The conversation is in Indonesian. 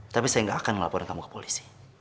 tapi saya tidak akan melaporin kamu ke polisi